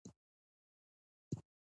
ایا زه به هم خوشحاله شم؟